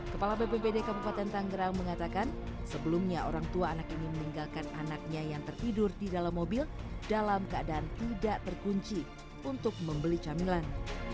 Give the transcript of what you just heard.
kepala bpbd kabupaten tanggerang mengatakan sebelumnya orang tua anak ini meninggalkan anaknya yang tertidur di dalam mobil dalam keadaan tidak terkunci untuk membeli camilan